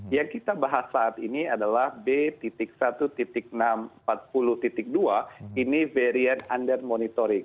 yang kita bahas saat ini adalah b satu enam ratus empat puluh dua ini variant under monitoring